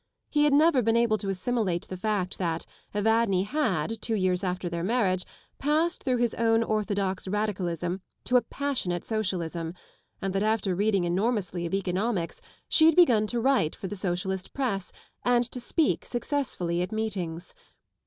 He had never been able to assimilate the fact that Evadne had, two years after their marriage, passed through his own orthodox Radicalism to a passionate Socialism, and that after reading enormously of economics she had begun to write for the Socialist press and to speak successfully at meetings.